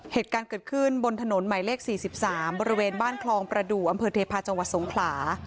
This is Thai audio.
เหตุการณ์เกิดขึ้นบนถนนหมายเลข๔๓บริเวณบ้านคลองประดูกอำเภอเทพาะจังหวัดสงขลา